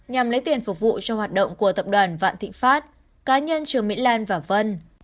nhằm lấy tiền phục vụ cho hoạt động của tập đoàn vạn thị phát cá nhân trường mỹ lan và vân